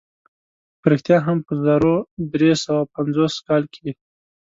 په رښتیا هم په زرو درې سوه پنځوسم کال کې.